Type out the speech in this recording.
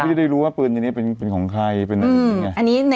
พี่ได้รู้ว่าปืนนี้เป็นของใครเป็นอะไรอย่างนี้ไง